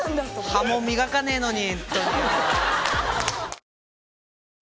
歯も磨かねえのに。